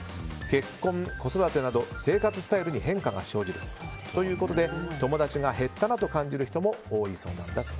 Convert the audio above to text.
結婚、子育てなど生活スタイルに変化が生じるなど友達が減ったなと感じる人も多いそうです。